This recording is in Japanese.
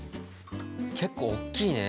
結構おっきいね。